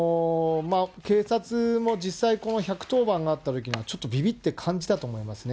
警察も実際、この１１０番があったときには、ちょっとびびって感じたと思いますね。